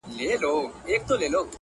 تشېدل به د شرابو ډك خمونه؛